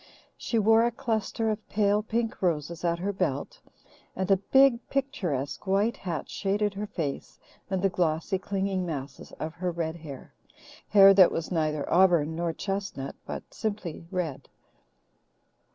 She wore a cluster of pale pink roses at her belt, and a big, picturesque white hat shaded her face and the glossy, clinging masses of her red hair hair that was neither auburn nor chestnut but simply red.